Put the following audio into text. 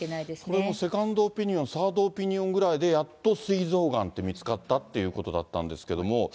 これもセカンドオピニオン、サードオピニオンぐらいで、やっとすい臓がんと見つかったということだったんですけれども。